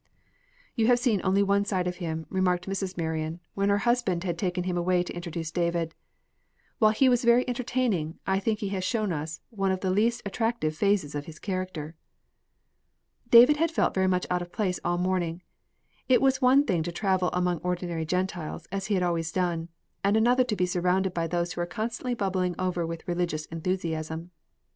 "You have seen only one side of him," remarked Mrs. Marion, when her husband had taken him away to introduce David. "While he was very entertaining, I think he has shown us one of the least attractive phases of his character." David had felt very much out of place all morning. It was one thing to travel among ordinary Gentiles, as he had always done, and another to be surrounded by those who were constantly bubbling over with religious enthusiasm.